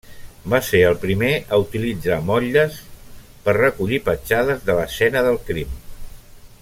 Va ser el primer a utilitzar motlles per recollir petjades de l'escena del crim.